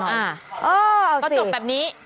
เอ้อเอาสิเป็นที่ดูแบบนี้